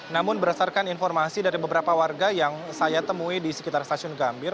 namun berdasarkan informasi dari beberapa warga yang saya temui di sekitar stasiun gambir